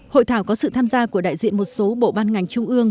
hội thảo có sự tham gia của đại diện một số bộ ban ngành trung ương